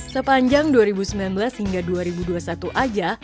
sepanjang dua ribu sembilan belas hingga dua ribu dua puluh satu aja